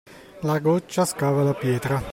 La goccia scava la pietra.